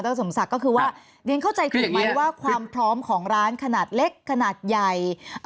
สมศักดิ์ก็คือว่าเรียนเข้าใจถูกไหมว่าความพร้อมของร้านขนาดเล็กขนาดใหญ่